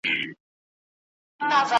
برج دي تر آسمانه، سپي دي له لوږي مري `